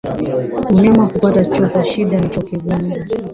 Mnyama kupata choo kwa shida na choo kigumu